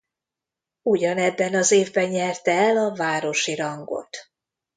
Ugyanebben az évben nyerte el a városi rangot.